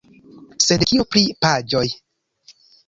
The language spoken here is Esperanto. Sed kio pri paĝoj?